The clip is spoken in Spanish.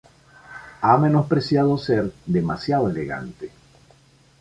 Ha menospreciado ser demasiado elegante.